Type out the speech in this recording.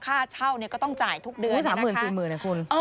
ค่าเช่าก็ต้องจ่ายทุกเดือนสามหมื่นสี่หมื่นบาทคุณ